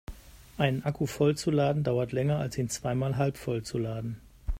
Einen Akku voll zu laden dauert länger als ihn zweimal halbvoll zu laden.